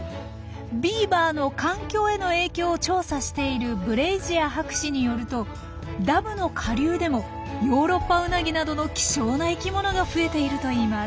ビーバーの環境への影響を調査しているブレイジアー博士によるとダムの下流でもヨーロッパウナギなどの希少な生きものが増えているといいます。